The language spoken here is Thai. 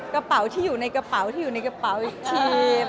กระเป๋าที่อยู่ในกระเป๋าที่อยู่ในกระเป๋าอีกที